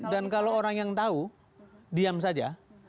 dan kalau orang yang tahu diam saja